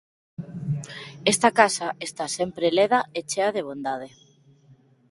Esta casa está sempre leda e chea de bondade.